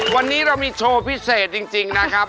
วันนี้เรามีโชว์พิเศษจริงนะครับ